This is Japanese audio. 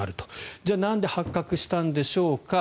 じゃあなんで発覚したんでしょうか。